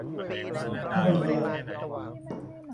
ถ้าไม่เลท